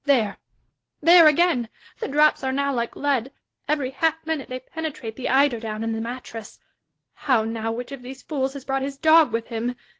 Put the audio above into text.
There !— there again ! The drops are now like lead : every half minute they penetrate the eider down and the mattress. — How now ! which of these fools has brought his dog with him